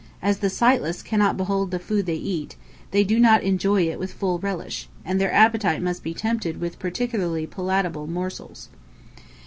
As the sightless cannot behold the food they eat, they do not enjoy it with full relish, and their appetite must be tempted with particularly palatable morsels.